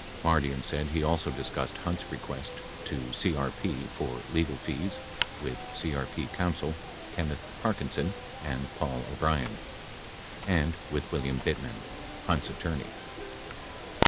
55 Mardian said he also discussed Hunt's request to CRP for legal fees with CRP counsel Kenneth Parkinson and Paul O'Brien, and with William Bittman, Hunt's attorney.